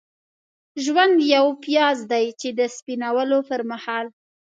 ژوند یو پیاز دی چې د سپینولو پرمهال.